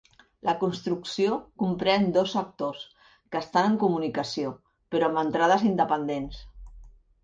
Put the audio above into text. La construcció comprèn dos sectors, que estan en comunicació, però amb entrades independents.